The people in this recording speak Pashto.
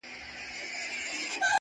وېل سینه کي به یې مړې ډېوې ژوندۍ کړم,